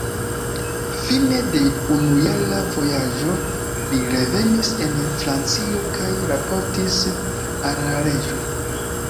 Fine de unujara vojaĝo, li revenis en Francio kaj raportis al la reĝo.